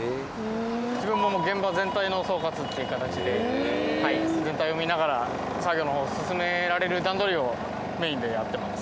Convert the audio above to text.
自分も現場全体の総括っていう形で全体を見ながら作業の方進められる段取りをメインでやってます。